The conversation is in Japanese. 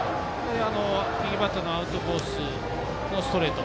右バッターのアウトコースのストレート。